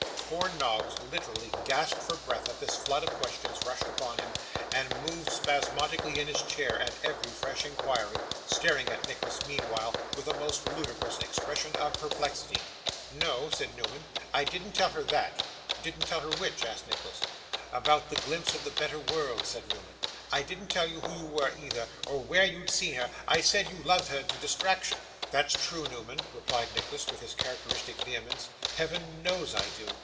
Poor Noggs literally gasped for breath as this flood of questions rushed upon him, and moved spasmodically in his chair at every fresh inquiry, staring at Nicholas meanwhile with a most ludicrous expression of perplexity. 'No,' said Newman, 'I didn't tell her that.' 'Didn't tell her which?' asked Nicholas. 'About the glimpse of the better world,' said Newman. 'I didn't tell her who you were, either, or where you'd seen her. I said you loved her to distraction.' 'That's true, Newman,' replied Nicholas, with his characteristic vehemence. 'Heaven knows I do!